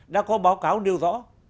đã có báo cáo nêu rõ